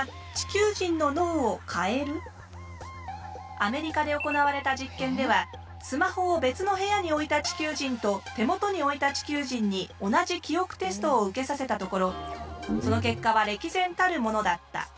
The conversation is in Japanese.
アメリカで行われた実験ではスマホを別の部屋に置いた地球人と手元に置いた地球人に同じ記憶テストを受けさせたところその結果は歴然たるものだった。